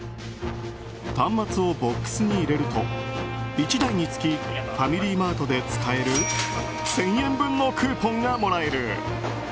端末をボックスに入れると１台につきファミリーマートで使える１０００円分のクーポンがもらえる。